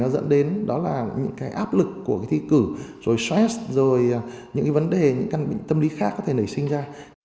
dẫn đến đó là những cái áp lực của cái thi cử rồi stress rồi những cái vấn đề những căn bệnh tâm lý khác có thể nảy sinh ra